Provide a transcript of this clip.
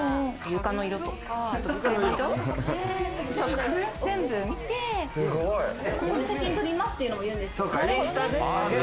床の色とか机の色、全部見て、ここで写真撮りますっていうのも言うんですよ。